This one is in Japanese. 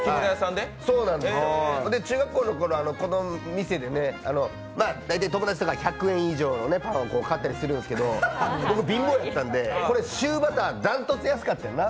で、中学校の頃、この店で大体友達とか１００円以上のパンを買ったりするんですけど僕、貧乏だったので、シューバターは断トツで安かったんやな？